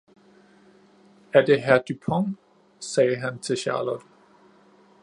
"Er det Herr Dupont, sagde han til Charlot."